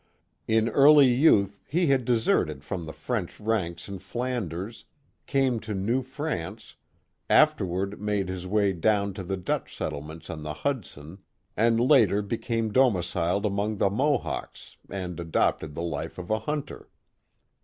In early youth he had deserted from the French ranks in Flanders, came to New France, after ward made his way down to the Dutch settlements on the Hudson, and later became domiciled among the Mohawks, and adopted the life of a hunter.